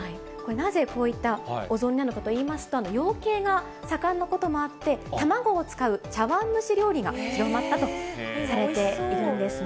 なぜ、こういったお雑煮なのかといいますと、養鶏が盛んなこともあって、卵を使う茶わん蒸し料理が広まったとされているんですね。